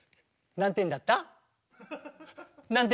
何点だった？